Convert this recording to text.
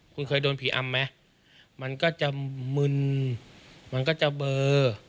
คุณเคยโดนผีอำไหมมันก็จะมึนมันก็จะเบอร์